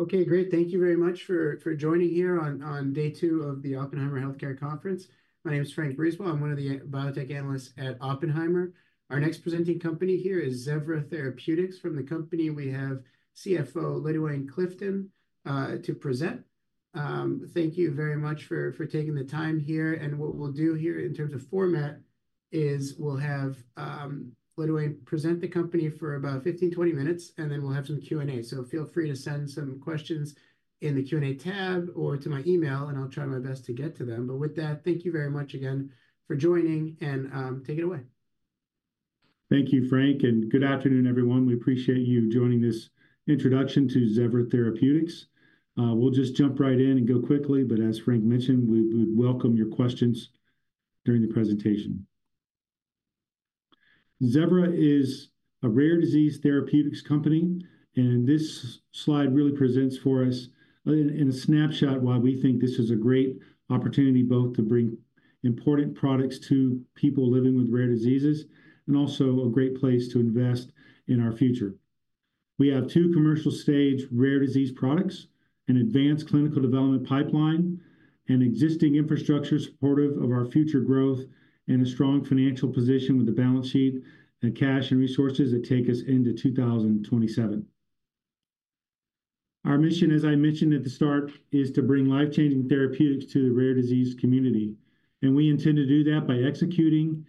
Okay, great. Thank you very much for joining here on day two of the Oppenheimer Healthcare Conference. My name is Frank Brisebois. I'm one of the biotech analysts at Oppenheimer. Our next presenting company here is Zevra Therapeutics from the company. We have CFO LaDuane Clifton to present. Thank you very much for taking the time here. And what we'll do here in terms of format is we'll have LaDuane present the company for about 15 minutes, 20 minutes, and then we'll have some Q&A. So feel free to send some questions in the Q&A tab or to my email, and I'll try my best to get to them. But with that, thank you very much again for joining, and take it away. Thank you, Frank, and good afternoon, everyone. We appreciate you joining this introduction to Zevra Therapeutics. We'll just jump right in and go quickly, but as Frank mentioned, we would welcome your questions during the presentation. Zevra is a rare disease therapeutics company, and this slide really presents for us in a snapshot why we think this is a great opportunity both to bring important products to people living with rare diseases and also a great place to invest in our future. We have two commercial-stage rare disease products, an advanced clinical development pipeline, and existing infrastructure supportive of our future growth and a strong financial position with the balance sheet and cash and resources that take us into 2027. Our mission, as I mentioned at the start, is to bring life-changing therapeutics to the rare disease community. We intend to do that by executing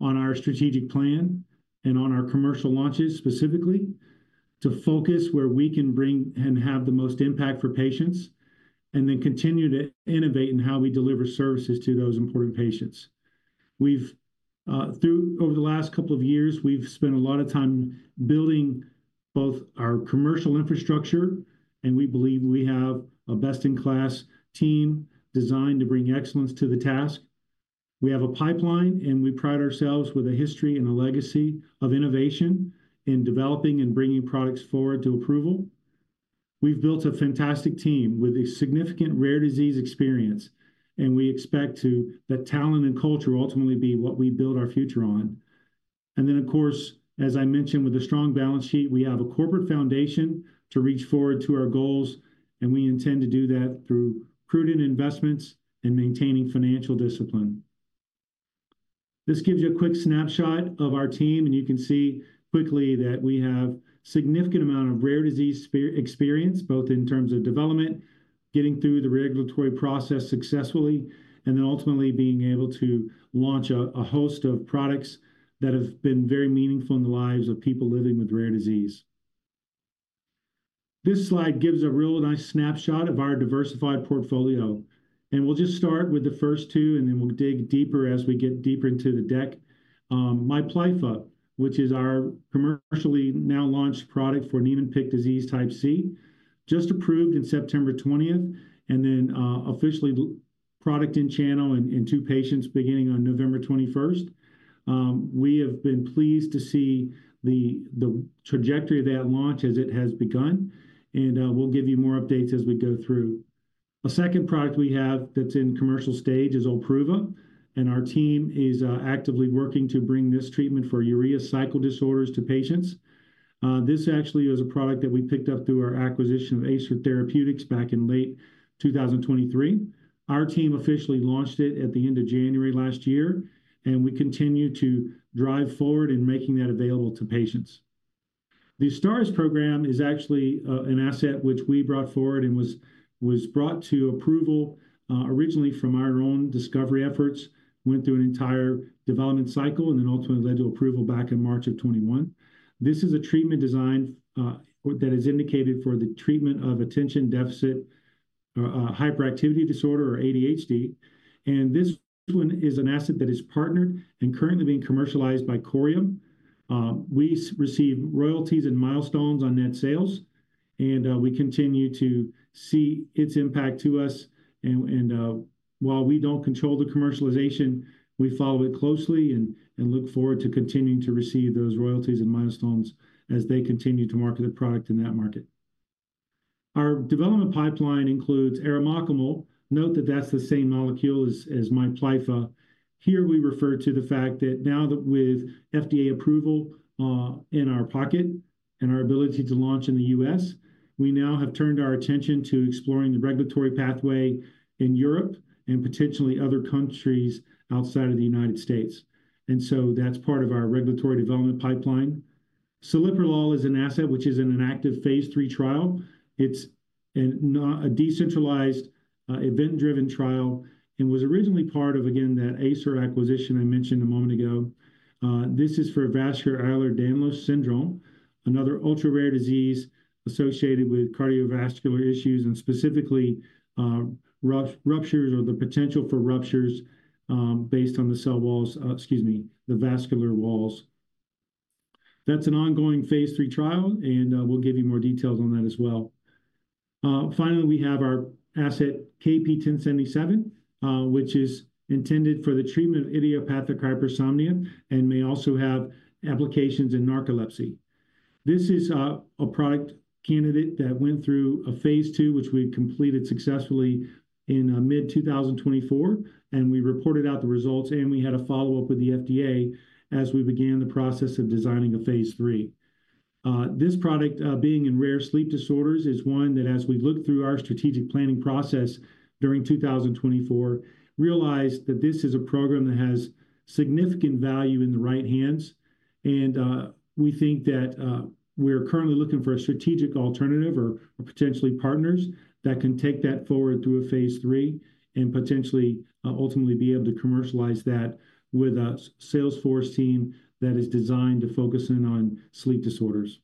on our strategic plan and on our commercial launches specifically to focus where we can bring and have the most impact for patients, and then continue to innovate in how we deliver services to those important patients. Over the last couple of years, we've spent a lot of time building both our commercial infrastructure, and we believe we have a best-in-class team designed to bring excellence to the task. We have a pipeline, and we pride ourselves with a history and a legacy of innovation in developing and bringing products forward to approval. We've built a fantastic team with a significant rare disease experience, and we expect that talent and culture ultimately be what we build our future on. And then, of course, as I mentioned, with a strong balance sheet, we have a corporate foundation to reach forward to our goals, and we intend to do that through prudent investments and maintaining financial discipline. This gives you a quick snapshot of our team, and you can see quickly that we have a significant amount of rare disease experience, both in terms of development, getting through the regulatory process successfully, and then ultimately being able to launch a host of products that have been very meaningful in the lives of people living with rare disease. This slide gives a real nice snapshot of our diversified portfolio, and we'll just start with the first two, and then we'll dig deeper as we get deeper into the deck. MIPLYFFA, which is our commercially now launched product for Niemann-Pick disease type C, just approved on September 20th, and then officially product in channel in two patients beginning on November 21st. We have been pleased to see the trajectory of that launch as it has begun, and we'll give you more updates as we go through. A second product we have that's in commercial stage is OLPRUVA, and our team is actively working to bring this treatment for urea cycle disorders to patients. This actually is a product that we picked up through our acquisition of Acer Therapeutics back in late 2023. Our team officially launched it at the end of January last year, and we continue to drive forward in making that available to patients. The AZSTARYS program is actually an asset which we brought forward and was brought to approval originally from our own discovery efforts, went through an entire development cycle, and then ultimately led to approval back in March of 2021. This is a treatment design that is indicated for the treatment of attention deficit hyperactivity disorder, or ADHD, and this one is an asset that is partnered and currently being commercialized by Corium. We receive royalties and milestones on net sales, and we continue to see its impact to us. And while we don't control the commercialization, we follow it closely and look forward to continuing to receive those royalties and milestones as they continue to market the product in that market. Our development pipeline includes arimoclomol. Note that that's the same molecule as MIPLYFFA. Here, we refer to the fact that now that with FDA approval in our pocket and our ability to launch in the U.S., we now have turned our attention to exploring the regulatory pathway in Europe and potentially other countries outside of the United States. So that's part of our regulatory development pipeline. Celiprolol is an asset which is in an active Phase III trial. It's a decentralized event-driven trial and was originally part of, again, that Acer acquisition I mentioned a moment ago. This is for Vascular Ehlers-Danlos Syndrome, another ultra-rare disease associated with cardiovascular issues and specifically ruptures or the potential for ruptures based on the cell walls, excuse me, the vascular walls. That's an ongoing Phase III trial, and we'll give you more details on that as well. Finally, we have our asset KP1077, which is intended for the treatment of idiopathic hypersomnia and may also have applications in narcolepsy. This is a product candidate that went through a Phase II, which we completed successfully in mid-2024, and we reported out the results, and we had a follow-up with the FDA as we began the process of designing a Phase III. This product, being in rare sleep disorders, is one that, as we looked through our strategic planning process during 2024, realized that this is a program that has significant value in the right hands, and we think that we're currently looking for a strategic alternative or potentially partners that can take that forward through a Phase III and potentially ultimately be able to commercialize that with a sales force team that is designed to focus in on sleep disorders.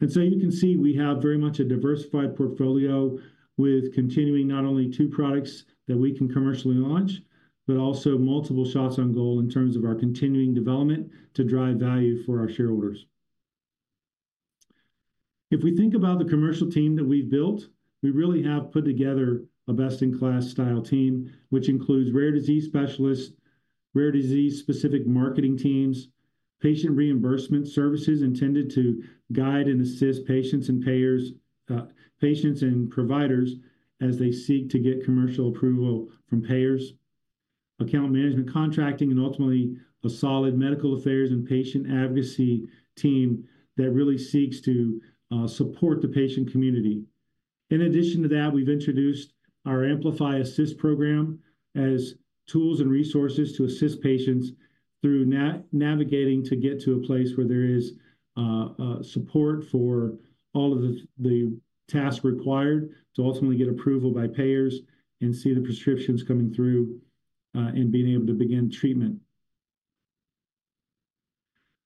And so you can see we have very much a diversified portfolio with continuing not only two products that we can commercially launch, but also multiple shots on goal in terms of our continuing development to drive value for our shareholders. If we think about the commercial team that we've built, we really have put together a best-in-class style team, which includes rare disease specialists, rare disease-specific marketing teams, patient reimbursement services intended to guide and assist patients and providers as they seek to get commercial approval from payers, account management contracting, and ultimately a solid medical affairs and patient advocacy team that really seeks to support the patient community. In addition to that, we've introduced our AmplifyAssist program as tools and resources to assist patients through navigating to get to a place where there is support for all of the tasks required to ultimately get approval by payers and see the prescriptions coming through and being able to begin treatment.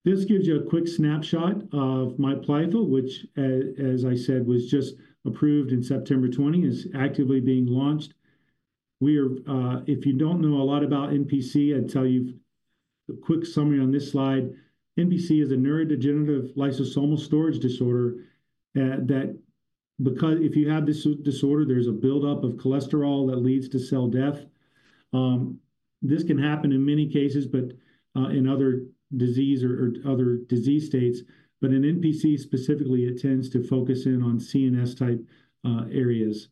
This gives you a quick snapshot of MIPLYFFA, which, as I said, was just approved in September 2020, is actively being launched. If you don't know a lot about NPC, I'd tell you a quick summary on this slide. NPC is a neurodegenerative lysosomal storage disorder that, if you have this disorder, there's a buildup of cholesterol that leads to cell death. This can happen in many cases, but in other disease states, but in NPC specifically, it tends to focus in on CNS-type areas.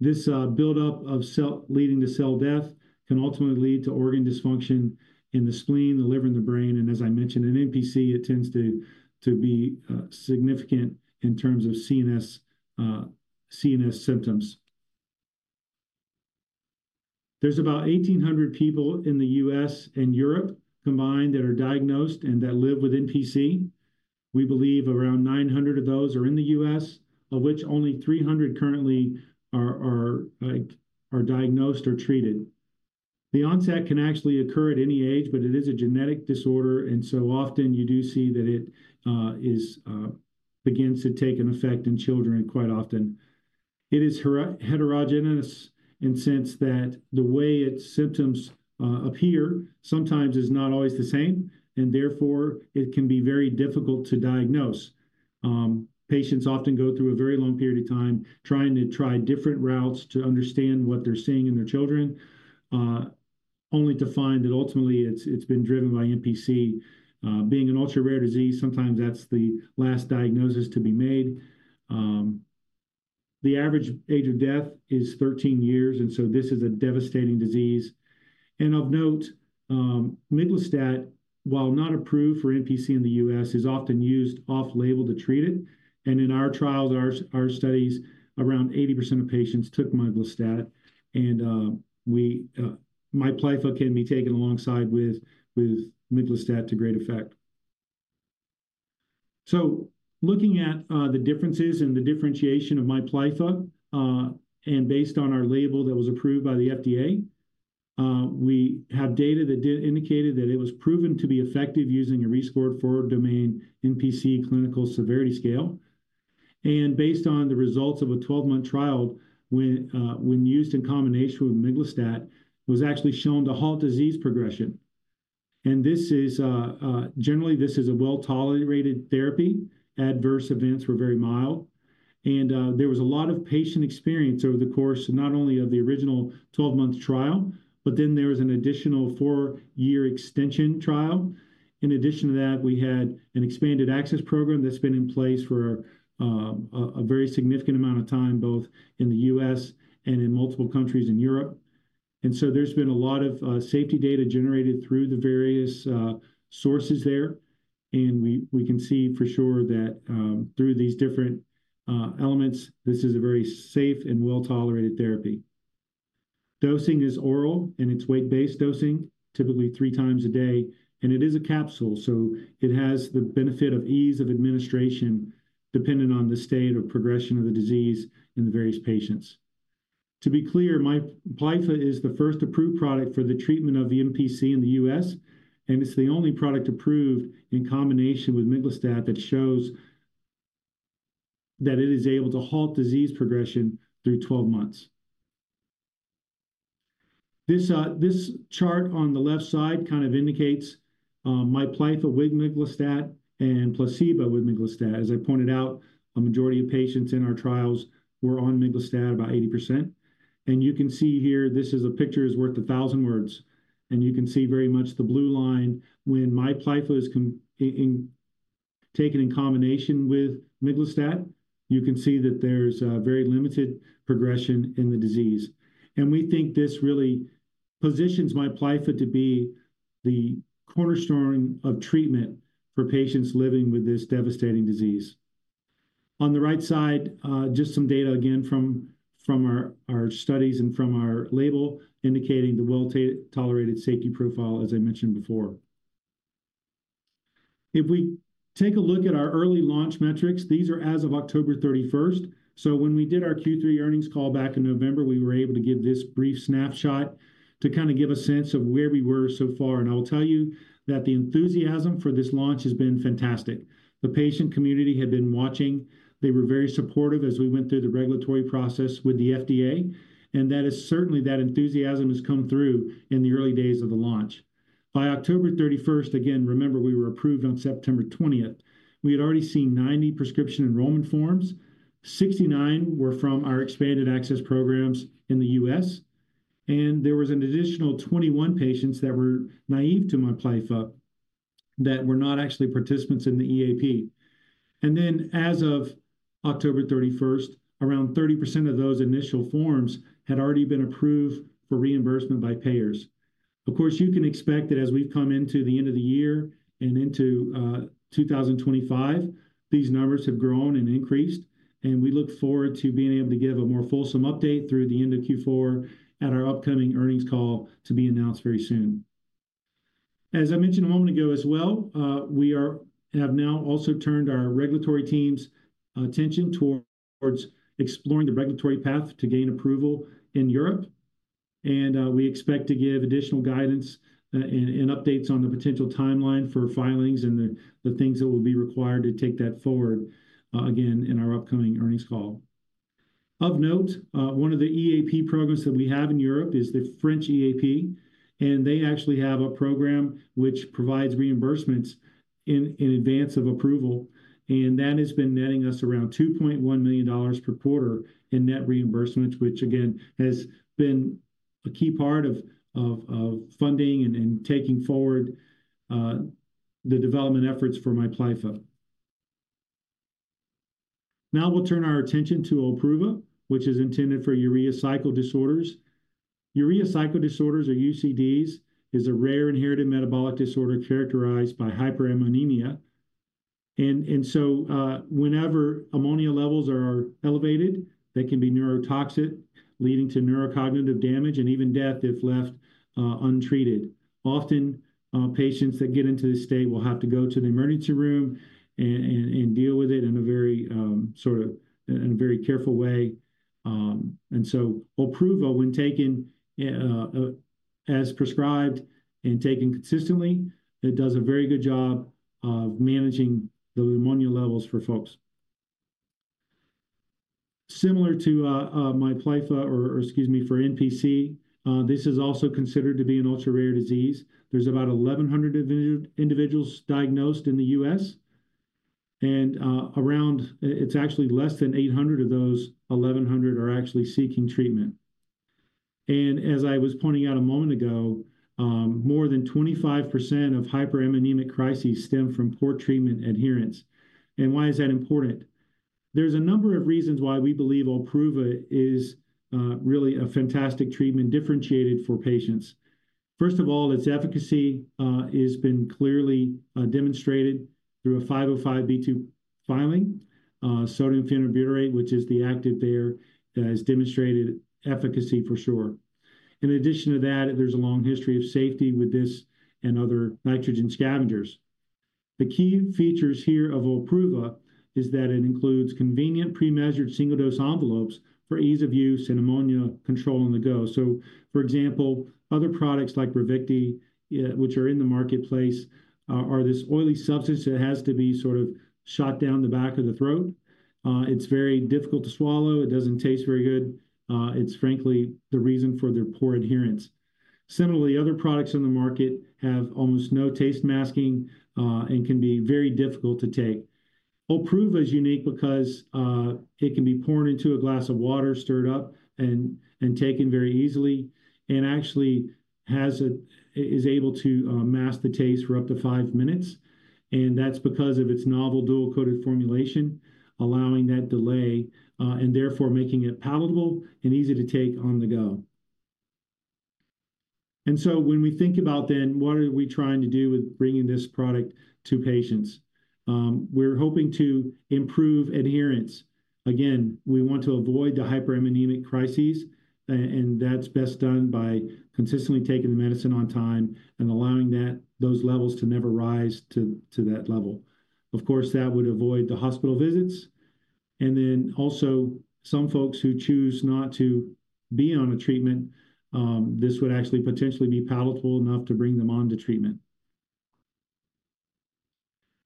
This buildup of cells leading to cell death can ultimately lead to organ dysfunction in the spleen, the liver, and the brain, and as I mentioned, in NPC, it tends to be significant in terms of CNS symptoms. There's about 1,800 people in the U.S. and Europe combined that are diagnosed and that live with NPC. We believe around 900 of those are in the U.S., of which only 300 currently are diagnosed or treated. The onset can actually occur at any age, but it is a genetic disorder, and so often you do see that it begins to take an effect in children quite often. It is heterogeneous in the sense that the way its symptoms appear sometimes is not always the same, and therefore it can be very difficult to diagnose. Patients often go through a very long period of time trying to different routes to understand what they're seeing in their children, only to find that ultimately it's been driven by NPC. Being an ultra-rare disease, sometimes that's the last diagnosis to be made. The average age of death is 13 years, and so this is a devastating disease. And of note, miglustat, while not approved for NPC in the U.S., is often used off-label to treat it. And in our trials, our studies, around 80% of patients took miglustat, and MIPLYFFA can be taken alongside with miglustat to great effect. So looking at the differences and the differentiation of MIPLYFFA, and based on our label that was approved by the FDA, we have data that indicated that it was proven to be effective using a 5-domain NPC Clinical Severity Scale. And based on the results of a 12-month trial when used in combination with miglustat, it was actually shown to halt disease progression. And generally, this is a well-tolerated therapy. Adverse events were very mild. And there was a lot of patient experience over the course not only of the original 12-month trial, but then there was an additional four-year extension trial. In addition to that, we had an expanded access program that's been in place for a very significant amount of time, both in the U.S. and in multiple countries in Europe. And so there's been a lot of safety data generated through the various sources there. And we can see for sure that through these different elements, this is a very safe and well-tolerated therapy. Dosing is oral and it's weight-based dosing, typically 3x a day. It is a capsule, so it has the benefit of ease of administration depending on the state or progression of the disease in the various patients. To be clear, MIPLYFFA is the first approved product for the treatment of the NPC in the U.S., and it's the only product approved in combination with miglustat that shows that it is able to halt disease progression through 12 months. This chart on the left side kind of indicates MIPLYFFA with miglustat and placebo with miglustat. As I pointed out, a majority of patients in our trials were on miglustat about 80%. And you can see here, this is a picture worth a thousand words. And you can see very much the blue line when MIPLYFFA is taken in combination with miglustat, you can see that there's very limited progression in the disease. We think this really positions MIPLYFFA to be the cornerstone of treatment for patients living with this devastating disease. On the right side, just some data again from our studies and from our label indicating the well-tolerated safety profile, as I mentioned before. If we take a look at our early launch metrics, these are as of October 31st. So when we did our Q3 earnings call back in November, we were able to give this brief snapshot to kind of give a sense of where we were so far. And I will tell you that the enthusiasm for this launch has been fantastic. The patient community had been watching. They were very supportive as we went through the regulatory process with the FDA. And that is certainly. That enthusiasm has come through in the early days of the launch. By October 31st, again, remember, we were approved on September 20th. We had already seen 90 prescription enrollment forms. 69 were from our expanded access programs in the U.S. And there was an additional 21 patients that were naive to MIPLYFFA that were not actually participants in the EAP. And then as of October 31st, around 30% of those initial forms had already been approved for reimbursement by payers. Of course, you can expect that as we've come into the end of the year and into 2025, these numbers have grown and increased. And we look forward to being able to give a more fulsome update through the end of Q4 at our upcoming earnings call to be announced very soon. As I mentioned a moment ago as well, we have now also turned our regulatory team's attention towards exploring the regulatory path to gain approval in Europe. We expect to give additional guidance and updates on the potential timeline for filings and the things that will be required to take that forward again in our upcoming earnings call. Of note, one of the EAP programs that we have in Europe is the French EAP. They actually have a program which provides reimbursements in advance of approval. That has been netting us around $2.1 million per quarter in net reimbursements, which again has been a key part of funding and taking forward the development efforts for MIPLYFFA. Now we'll turn our attention to OLPRUVA, which is intended for urea cycle disorders. Urea cycle disorders, or UCDs, is a rare inherited metabolic disorder characterized by hyperammonemia. Whenever ammonia levels are elevated, they can be neurotoxic, leading to neurocognitive damage and even death if left untreated. Often patients that get into this state will have to go to the emergency room and deal with it in a very careful way. And so OLPRUVA, when taken as prescribed and taken consistently, it does a very good job of managing the ammonia levels for folks. Similar to MIPLYFFA, or excuse me, for NPC, this is also considered to be an ultra-rare disease. There's about 1,100 individuals diagnosed in the U.S. And actually it's less than 800 of those 1,100 are actually seeking treatment. And as I was pointing out a moment ago, more than 25% of hyperammonemic crises stem from poor treatment adherence. And why is that important? There's a number of reasons why we believe OLPRUVA is really a fantastic treatment differentiated for patients. First of all, its efficacy has been clearly demonstrated through a 505(b)(2) filing. Sodium phenylbutyrate, which is the active there, has demonstrated efficacy for sure. In addition to that, there's a long history of safety with this and other nitrogen scavengers. The key features here of OLPRUVA is that it includes convenient pre-measured single-dose envelopes for ease of use and ammonia control on the go. So for example, other products like RAVICTI, which are in the marketplace, are this oily substance that has to be sort of shot down the back of the throat. It's very difficult to swallow. It doesn't taste very good. It's frankly the reason for their poor adherence. Similarly, other products on the market have almost no taste masking and can be very difficult to take. OLPRUVA is unique because it can be poured into a glass of water, stirred up, and taken very easily, and actually is able to mask the taste for up to five minutes. And that's because of its novel dual-coated formulation, allowing that delay and therefore making it palatable and easy to take on the go. And so when we think about then, what are we trying to do with bringing this product to patients? We're hoping to improve adherence. Again, we want to avoid the hyperammonemic crises. And that's best done by consistently taking the medicine on time and allowing those levels to never rise to that level. Of course, that would avoid the hospital visits. And then also some folks who choose not to be on a treatment, this would actually potentially be palatable enough to bring them on to treatment.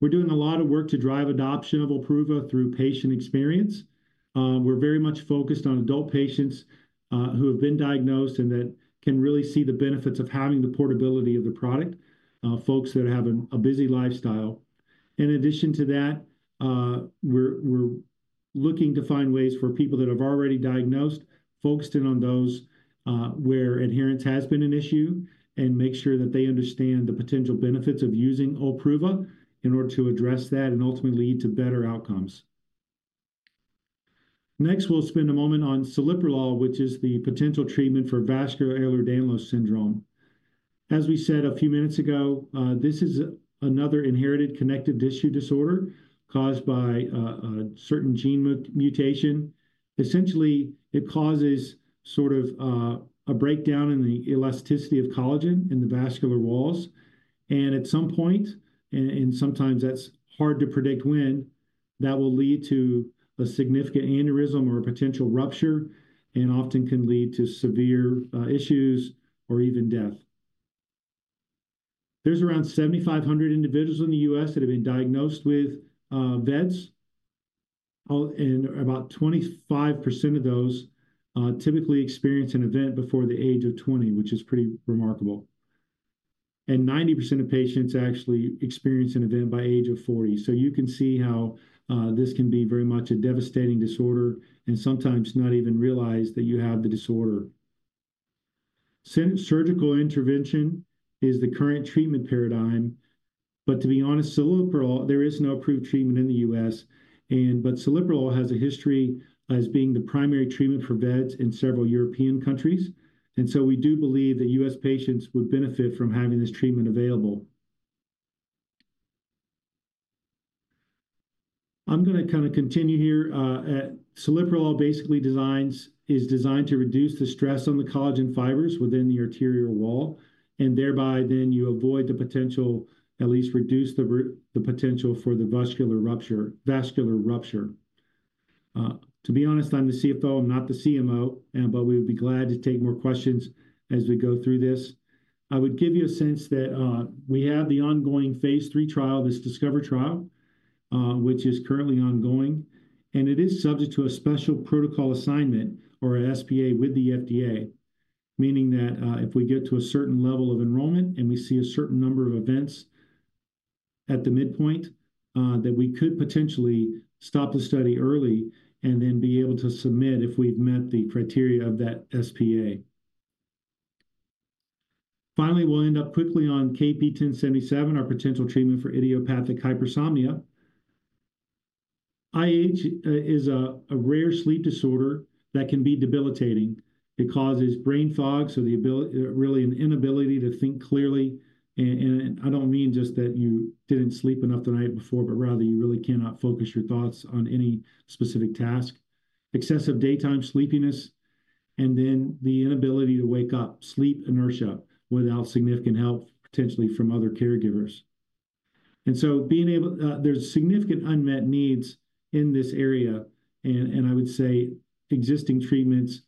We're doing a lot of work to drive adoption of OLPRUVA through patient experience. We're very much focused on adult patients who have been diagnosed and that can really see the benefits of having the portability of the product, folks that have a busy lifestyle. In addition to that, we're looking to find ways for people that have already diagnosed, focusing on those where adherence has been an issue, and make sure that they understand the potential benefits of using OLPRUVA in order to address that and ultimately lead to better outcomes. Next, we'll spend a moment on celiprolol, which is the potential treatment for Vascular Ehlers-Danlos Syndrome. As we said a few minutes ago, this is another inherited connective tissue disorder caused by a certain gene mutation. Essentially, it causes sort of a breakdown in the elasticity of collagen in the vascular walls. At some point, and sometimes that's hard to predict when, that will lead to a significant aneurysm or a potential rupture and often can lead to severe issues or even death. There's around 7,500 individuals in the U.S. that have been diagnosed with VEDS. About 25% of those typically experience an event before the age of 20, which is pretty remarkable. 90% of patients actually experience an event by age of 40. You can see how this can be very much a devastating disorder and sometimes not even realize that you have the disorder. Surgical intervention is the current treatment paradigm. To be honest, celiprolol, there is no approved treatment in the U.S., but celiprolol has a history as being the primary treatment for VEDS in several European countries. We do believe that U.S. patients would benefit from having this treatment available. I'm going to kind of continue here. Celiprolol basically is designed to reduce the stress on the collagen fibers within the arterial wall, and thereby then you avoid the potential, at least reduce the potential for the vascular rupture. To be honest, I'm the CFO. I'm not the CMO, but we would be glad to take more questions as we go through this. I would give you a sense that we have the ongoing Phase III trial, this DiSCOVER trial, which is currently ongoing, and it is subject to a Special Protocol Assessment or an SPA with the FDA, meaning that if we get to a certain level of enrollment and we see a certain number of events at the midpoint, that we could potentially stop the study early and then be able to submit if we've met the criteria of that SPA. Finally, we'll end up quickly on KP1077, our potential treatment for idiopathic hypersomnia. IH is a rare sleep disorder that can be debilitating. It causes brain fog, so really an inability to think clearly. And I don't mean just that you didn't sleep enough the night before, but rather you really cannot focus your thoughts on any specific task. Excessive daytime sleepiness. And then the inability to wake up, sleep inertia without significant help potentially from other caregivers. And so, being able, there's significant unmet needs in this area. And I would say existing treatments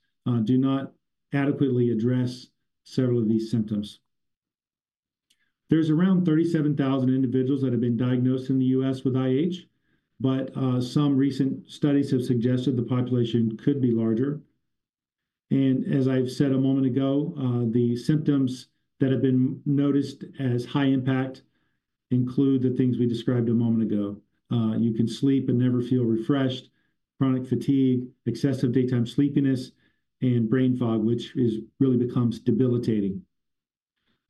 do not adequately address several of these symptoms. There's around 37,000 individuals that have been diagnosed in the U.S. with IH. But some recent studies have suggested the population could be larger. As I've said a moment ago, the symptoms that have been noticed as high impact include the things we described a moment ago. You can sleep and never feel refreshed, chronic fatigue, excessive daytime sleepiness, and brain fog, which really becomes debilitating.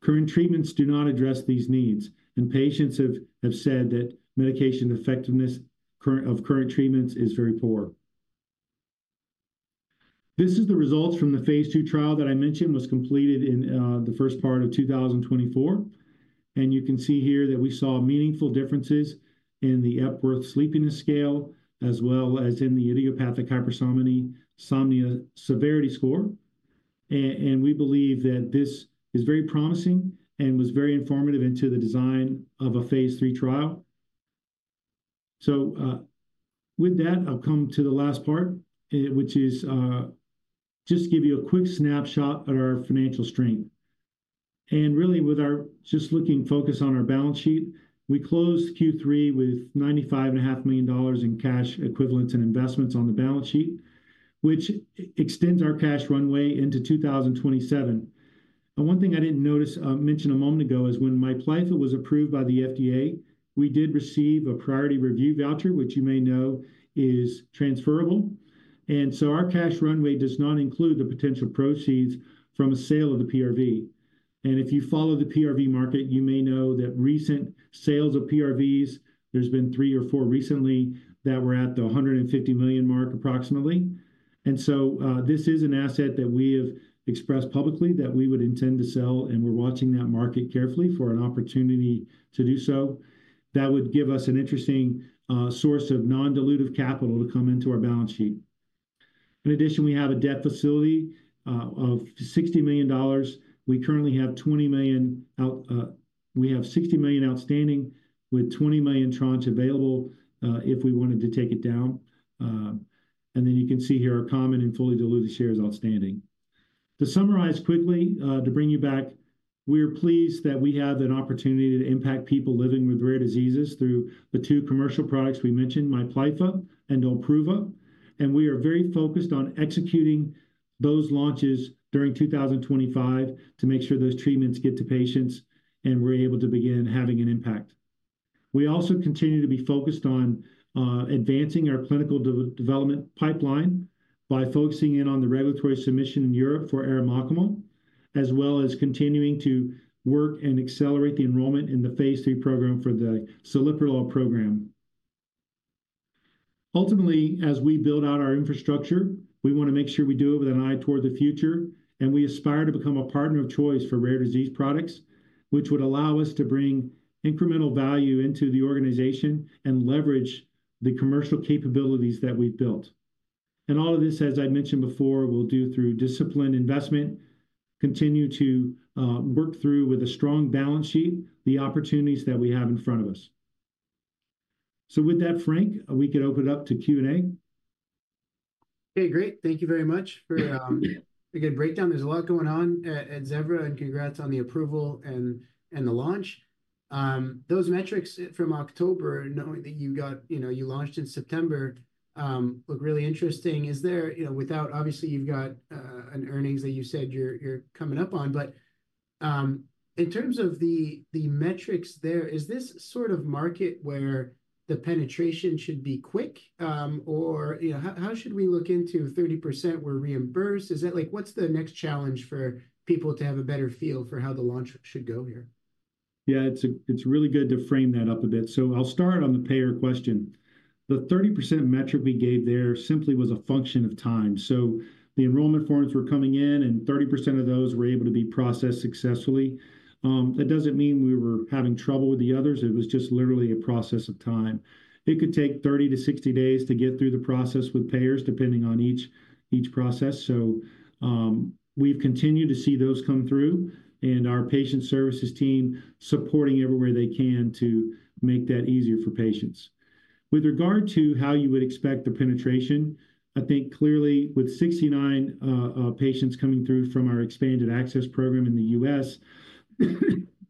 Current treatments do not address these needs. Patients have said that medication effectiveness of current treatments is very poor. This is the results from the Phase II trial that I mentioned was completed in the first part of 2024. You can see here that we saw meaningful differences in the Epworth Sleepiness Scale as well as in the Idiopathic Hypersomnia Severity Score. We believe that this is very promising and was very informative into the design of a Phase III trial. With that, I'll come to the last part, which is just give you a quick snapshot at our financial stream. And really with our just looking focus on our balance sheet, we closed Q3 with $95.5 million in cash equivalents and investments on the balance sheet, which extends our cash runway into 2027. And one thing I didn't mention a moment ago is when MIPLYFFA was approved by the FDA, we did receive a Priority Review Voucher, which you may know is transferable. And so our cash runway does not include the potential proceeds from a sale of the PRV. And if you follow the PRV market, you may know that recent sales of PRVs, there's been three or four recently that were at the $150 million mark approximately. And so this is an asset that we have expressed publicly that we would intend to sell. And we're watching that market carefully for an opportunity to do so. That would give us an interesting source of non-dilutive capital to come into our balance sheet. In addition, we have a debt facility of $60 million. We currently have $20 million out. We have $60 million outstanding with $20 million tranche available if we wanted to take it down, and then you can see here our common and fully diluted shares outstanding. To summarize quickly, to bring you back, we are pleased that we have an opportunity to impact people living with rare diseases through the two commercial products we mentioned, MIPLYFFA and OLPRUVA, and we are very focused on executing those launches during 2025 to make sure those treatments get to patients and we're able to begin having an impact. We also continue to be focused on advancing our clinical development pipeline by focusing in on the regulatory submission in Europe for arimoclomol, as well as continuing to work and accelerate the enrollment in the Phase III program for the celiprolol program. Ultimately, as we build out our infrastructure, we want to make sure we do it with an eye toward the future. And we aspire to become a partner of choice for rare disease products, which would allow us to bring incremental value into the organization and leverage the commercial capabilities that we've built. And all of this, as I mentioned before, we'll do through disciplined investment, continue to work through with a strong balance sheet the opportunities that we have in front of us. So with that, Frank, we can open it up to Q&A. Okay, great. Thank you very much for a good breakdown. There's a lot going on at Zevra, and congrats on the approval and the launch. Those metrics from October, knowing that you got, you know, you launched in September, look really interesting. Is there, you know, without, obviously, you've got an earnings that you said you're coming up on. But in terms of the metrics there, is this sort of market where the penetration should be quick? Or, you know, how should we look into 30% were reimbursed? Is that like, what's the next challenge for people to have a better feel for how the launch should go here? Yeah, it's really good to frame that up a bit. So I'll start on the payer question. The 30% metric we gave there simply was a function of time. So the enrollment forms were coming in, and 30% of those were able to be processed successfully. That doesn't mean we were having trouble with the others. It was just literally a process of time. It could take 30 days-60 days to get through the process with payers depending on each process. So we've continued to see those come through and our patient services team supporting everywhere they can to make that easier for patients. With regard to how you would expect the penetration, I think clearly with 69 patients coming through from our expanded access program in the U.S.,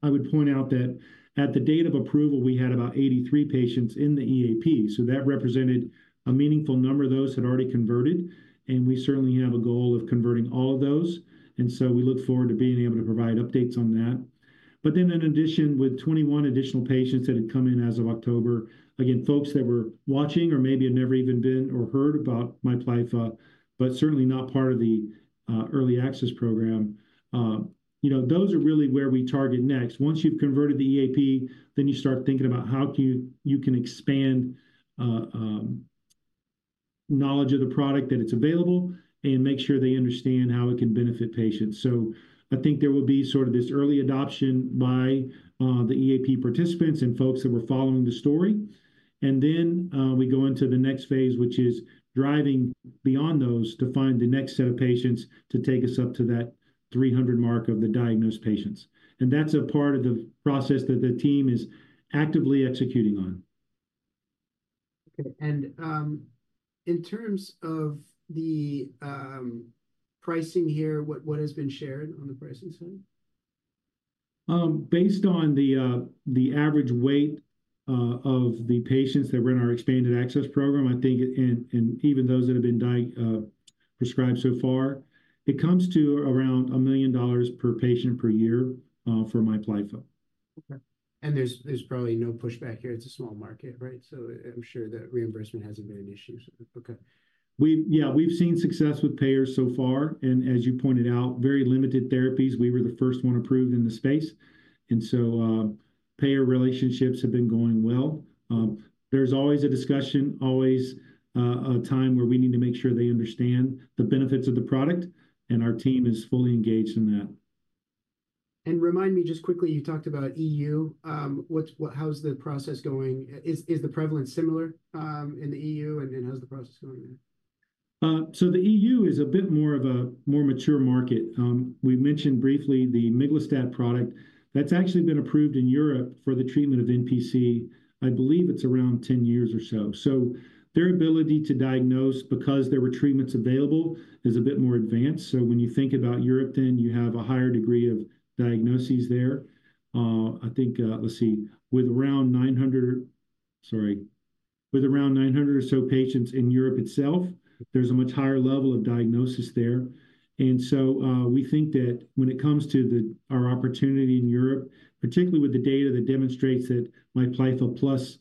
I would point out that at the date of approval, we had about 83 patients in the EAP. So that represented a meaningful number of those had already converted. And we certainly have a goal of converting all of those. And so we look forward to being able to provide updates on that. But then in addition, with 21 additional patients that had come in as of October, again, folks that were watching or maybe had never even been or heard about MIPLYFFA, but certainly not part of the Early Access Program, you know, those are really where we target next. Once you've converted the EAP, then you start thinking about how you can expand knowledge of the product that it's available and make sure they understand how it can benefit patients. So I think there will be sort of this early adoption by the EAP participants and folks that were following the story. And then we go into the next phase, which is driving beyond those to find the next set of patients to take us up to that 300 mark of the diagnosed patients. And that's a part of the process that the team is actively executing on. Okay. In terms of the pricing here, what has been shared on the pricing side? Based on the average weight of the patients that were in our expanded access program, I think, and even those that have been prescribed so far, it comes to around $1 million per patient per year for MIPLYFFA. Okay. There's probably no pushback here. It's a small market, right? So I'm sure that reimbursement hasn't been an issue. Okay. Yeah, we've seen success with payers so far. And as you pointed out, very limited therapies. We were the first one approved in the space. So payer relationships have been going well. There's always a discussion, always a time where we need to make sure they understand the benefits of the product. And our team is fully engaged in that. Remind me just quickly, you talked about EU. How's the process going? Is the prevalence similar in the EU? And how's the process going there? So the EU is a bit more of a more mature market. We mentioned briefly the miglustat product. That's actually been approved in Europe for the treatment of NPC. I believe it's around 10 years or so. So their ability to diagnose because there were treatments available is a bit more advanced. So when you think about Europe, then you have a higher degree of diagnoses there. I think, let's see, with around 900, sorry, with around 900 or so patients in Europe itself, there's a much higher level of diagnosis there. And so we think that when it comes to our opportunity in Europe, particularly with the data that demonstrates that MIPLYFFA plus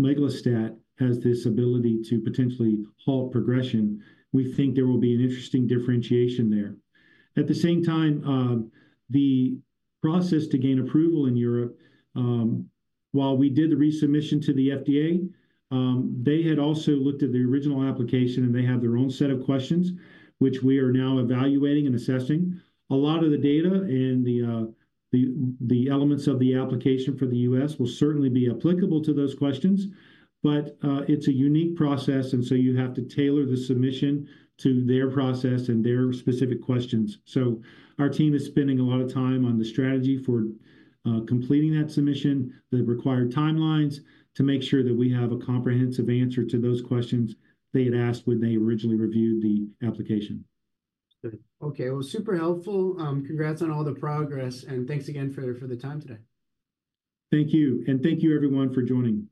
miglustat has this ability to potentially halt progression, we think there will be an interesting differentiation there. At the same time, the process to gain approval in Europe, while we did the resubmission to the FDA, they had also looked at the original application and they have their own set of questions, which we are now evaluating and assessing. A lot of the data and the elements of the application for the U.S. will certainly be applicable to those questions. But it's a unique process. And so you have to tailor the submission to their process and their specific questions. So our team is spending a lot of time on the strategy for completing that submission, the required timelines to make sure that we have a comprehensive answer to those questions they had asked when they originally reviewed the application. Okay. Well, super helpful. Congrats on all the progress. And thanks again for the time today. Thank you. And thank you, everyone, for joining.